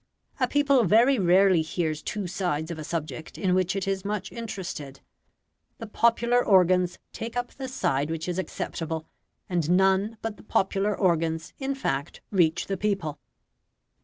A people very rarely hears two sides of a subject in which it is much interested; the popular organs take up the side which is acceptable, and none but the popular organs in fact reach the people.